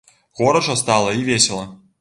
Горача стала і весела.